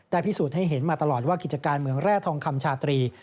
พิสูจน์ให้เห็นมาตลอดว่ากิจการเมืองแร่ทองคำชาตรี